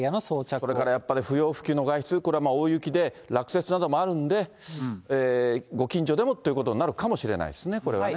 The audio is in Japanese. それから不要不急の外出、これは大雪で落雪などもあるんで、ご近所でもってことになるかもしれないですね、これはね。